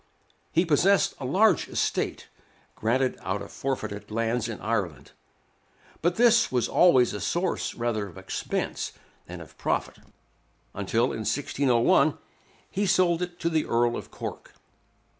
He possessed a large estate, granted out of forfeited lands in Ireland; but this was always a source rather of expense than of profit, until, in 1601, he sold it to the Earl of Cork.